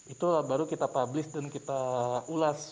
itu baru kita publish dan kita ulas